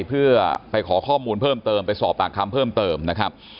เพื่อไปขอข้อมูลเพิ่มเติมไปสอบปากคำเพิ่มเติมนะครับ